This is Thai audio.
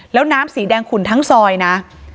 แล้วน้ำสีแดงขุ่นทั้งซอยนะ